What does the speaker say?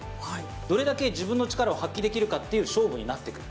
どれだけ自分の力を発揮できるかっていう勝負になってくる。